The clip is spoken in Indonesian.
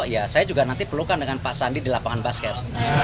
ya saya juga nanti pelukan dengan pak sandi di lapangan basket